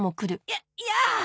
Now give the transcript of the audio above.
ややあ！